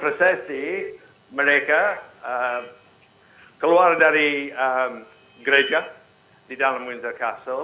jadi mereka keluar dari gereja di dalam windsor castle